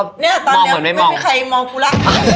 ตอนนี้ครับตอนนี้ไม่มีใครมองกูละ